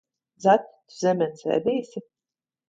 Zaķi, tu zemenes ēdīsi?